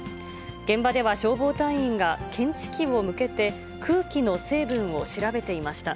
現場では消防隊員が検知器を向けて、空気の成分を調べていました。